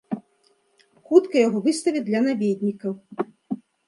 Хутка яго выставяць для наведнікаў.